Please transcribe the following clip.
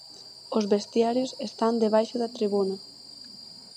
Os vestiarios están debaixo da tribuna.